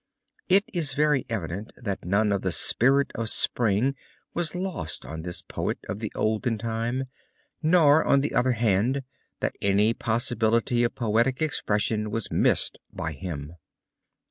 It is very evident that none of the spirit of Spring was lost on this poet of the olden time, nor on the other hand that any possibility of poetic expression was missed by him.